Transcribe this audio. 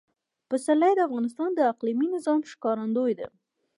پسرلی د افغانستان د اقلیمي نظام ښکارندوی ده.